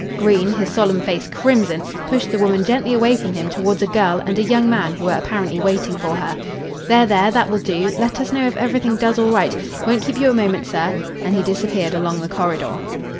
Green, his solemn face crimson, pushed the woman gently away from him towards a girl and a young man who were apparently waiting for her. "There, there; that will do. Let us know if everything does all right. Won't keep you a moment, sir," and he disappeared along the corridor.